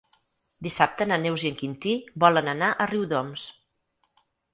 Dissabte na Neus i en Quintí volen anar a Riudoms.